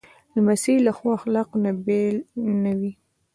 لمسی له ښو اخلاقو نه بېل نه وي.